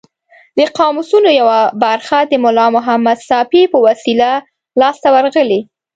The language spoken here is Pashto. د قاموسونو یوه برخه د ملا محمد ساپي په وسیله لاس ته ورغلې.